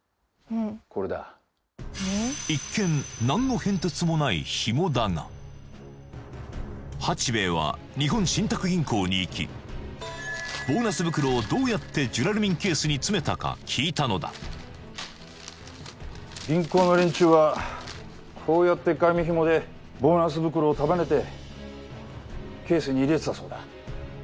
これだ一見何の変哲もない紐だが八兵衛は日本信託銀行に行きボーナス袋をどうやってジュラルミンケースに詰めたか聞いたのだ銀行の連中はこうやって紙紐でボーナス袋を束ねてケースに入れてたそうだ